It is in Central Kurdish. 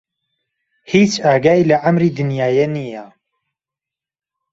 هیچ ئاگای له عەمری دنیایه نییه